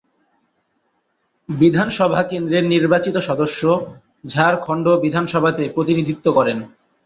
বিধানসভা কেন্দ্রের নির্বাচিত সদস্য ঝাড়খণ্ড বিধানসভাতে প্রতিনিধিত্ব করেন।